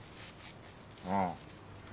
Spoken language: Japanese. ああ。